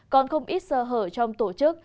còn không ít sơ hở trong tổ chức